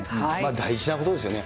大事なことですよね。